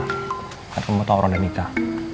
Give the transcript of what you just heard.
nggak kembali tau orang udah nikah